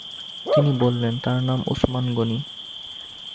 তিনি বললেন, তাঁর নাম ওসমান গনি।